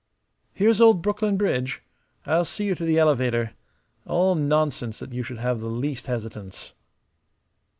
Here's old Brooklyn Bridge. I'll see you to the elevator. All nonsense that you should have the least hesitance."